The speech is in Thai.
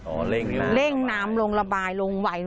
อ๋อเร่งน้ำลงละบายเร่งน้ำลงระบายลงไหว